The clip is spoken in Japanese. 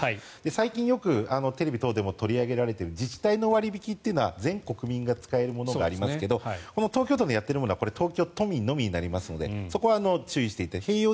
最近、よくテレビ等でも取り上げられている自治体の割引というのは全国民が使えるものがありますが東京都のやっているものは東京都民のみになりますのでそこは注意していただいて。